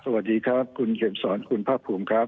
สวัสดีครับคุณเข็มสอนคุณภาคภูมิครับ